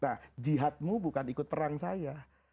nah jihadmu bukan ikut perang saya